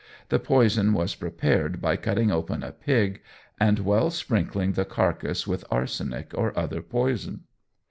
The poison was prepared by cutting open a pig, and well sprinkling the carcase with arsenic or other poison.